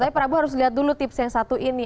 tapi prabu harus lihat dulu tips yang satu ini